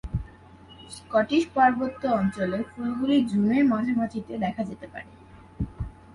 Scottish পার্বত্য অঞ্চলে ফুলগুলি জুনের মাঝামাঝিতে দেখা যেতে পারে।